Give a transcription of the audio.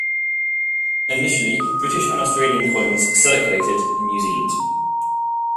Initially, British and Australian coins circulated in New Zealand.